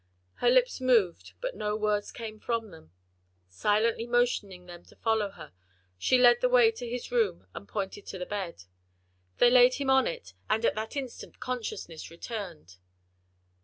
Her lips moved but no words came from them. Silently motioning them to follow her, she led the way to his room and pointed to the bed. They laid him on it and at that instant consciousness returned.